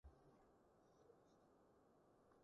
天矇光